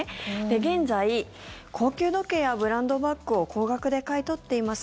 現在、高級時計やブランドバッグを高額で買い取っています